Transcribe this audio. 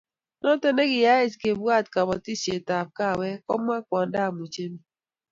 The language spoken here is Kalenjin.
noto nekiyaech kebwaat kabotisietab kaawek, komwa kwondab Muchemi